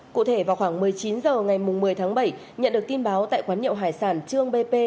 cụ thể vào khoảng một mươi chín h ngày một mươi tháng bảy nhận được tin báo tại quán nhậu hải sản trương bp